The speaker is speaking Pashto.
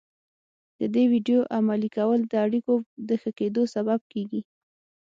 د دې ويډيو عملي کول د اړيکو د ښه کېدو سبب کېږي.